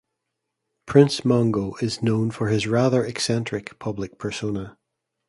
Prince Mongo is known for his rather eccentric public persona.